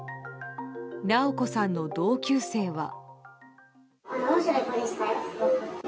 直子さんの同級生は。